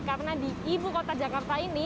karena di ibu kota jakarta ini